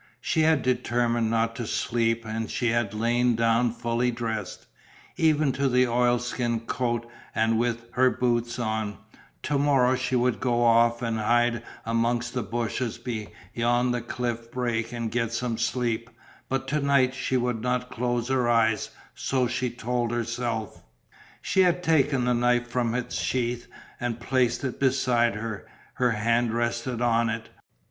She had determined not to sleep and she had lain down fully dressed; even to the oilskin coat and with her boots on; to morrow she would go off and hide amongst the bushes beyond the cliff break and get some sleep, but to night she would not close her eyes; so she told herself. She had taken the knife from its sheath and placed it beside her, her hand rested on it.